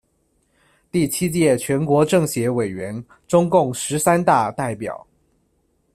第七届全国政协委员，中共十三大代表。